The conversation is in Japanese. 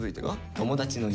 「友達の家」。